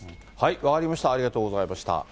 分かりました、ありがとうございました。